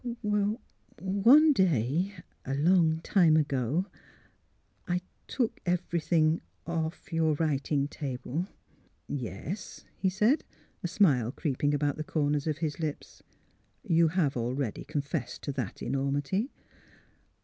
'' One day, a long time ago, I took everything — off your — writing table. ''" Yes," he said, a smile creeping about the corners of his lips. " You have already con fessed to that enormity."